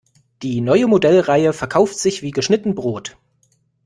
Die neue Modellreihe verkauft sich wie geschnitten Brot.